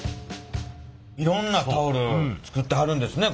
いろんなタオル作ってはるんですね